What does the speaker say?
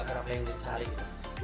karena apa yang kita cari itu